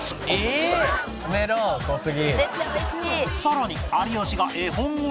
さらに有吉が絵本を執筆